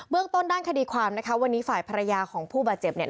เรื่องต้นด้านคดีความนะคะวันนี้ฝ่ายภรรยาของผู้บาดเจ็บเนี่ย